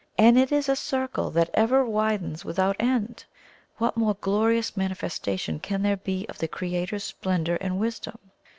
And it is a circle that ever widens without end. What more glorious manifestation can there be of the Creator's splendour and wisdom!